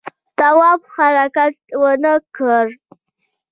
تواب حرکت ونه کړ.